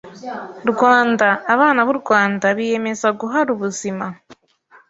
Rwanda, abana b’u Rwanda biyemeza guhara ubuzima